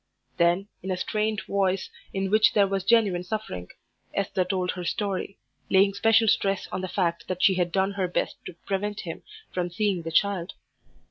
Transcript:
Then in a strained voice, in which there was genuine suffering, Esther told her story, laying special stress on the fact that she had done her best to prevent him from seeing the child.